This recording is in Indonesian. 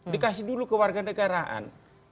dikasih dulu ke warga negaraan